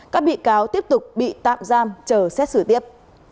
các bị cáo tiếp tục bị tạm giam chờ xét xử tiếp